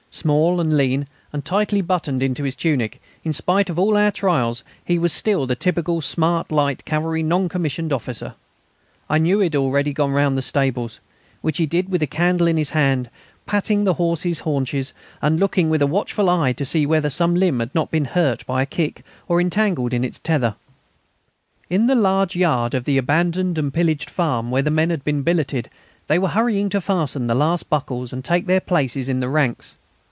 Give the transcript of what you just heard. Small and lean, and tightly buttoned into his tunic, in spite of all our trials he was still the typical smart light cavalry non commissioned officer. I knew he had already gone round the stables, which he did with a candle in his hand, patting the horses' haunches and looking with a watchful eye to see whether some limb had not been hurt by a kick or entangled in its tether. In the large yard of the abandoned and pillaged farm, where the men had been billeted they were hurrying to fasten the last buckles and take their places in the ranks.